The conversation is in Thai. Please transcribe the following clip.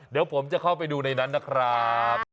เดี๋ยวผมจะเข้าไปดูในนั้นนะครับ